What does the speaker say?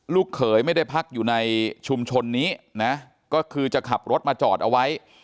เขยไม่ได้พักอยู่ในชุมชนนี้นะก็คือจะขับรถมาจอดเอาไว้